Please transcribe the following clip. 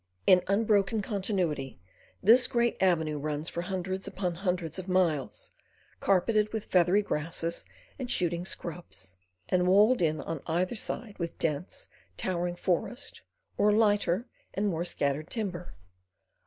In unbroken continuity this great avenue runs for hundreds upon hundreds of miles, carpeted with feathery grasses and shooting scrubs, and walled in on either side with dense, towering forest or lighter and more scattered timber.